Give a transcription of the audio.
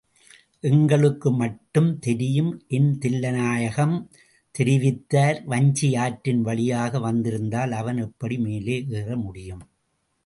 எங்களுக்குமட்டுத் தெரியும் என் தில்லைநாயகம் தெரிவித்தார். வஞ்சியாற்றின் வழியாக வந்திருந்தால் அவன் எப்படி மேலே ஏற முடியும்?